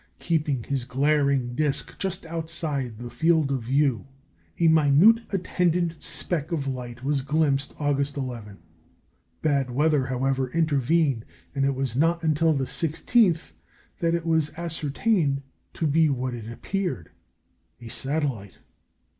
Keeping his glaring disc just outside the field of view, a minute attendant speck of light was "glimpsed" August 11. Bad weather, however, intervened, and it was not until the 16th that it was ascertained to be what it appeared a satellite.